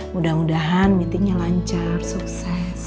mudah mudahan meetingnya lancar sukses